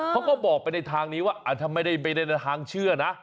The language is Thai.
เขาก็บอกไปในทางนี้ว่าถ้าไม่ได้ในทางเชื่อนะ